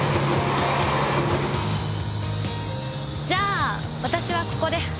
じゃあ私はここで。